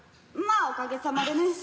まあおかげさまでね。